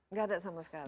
nggak ada sama sekali